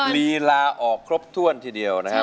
ลีลาออกครบถ้วนทีเดียวนะครับ